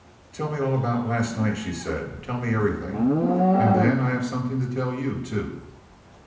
"Tell me all about last night," she said. "Tell me everything, and then I have something to tell you too."